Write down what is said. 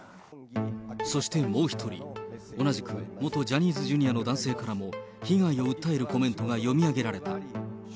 そしてもう１人、同じく元ジャニーズＪｒの男性からも被害を訴えるコメントが読み